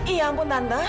ya ampun tante